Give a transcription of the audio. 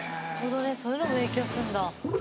そういうのも影響するんだ。